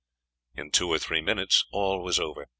In two or three minutes all was over.